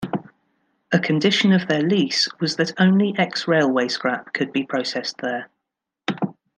A condition of their lease was that only ex-railway scrap could be processed there.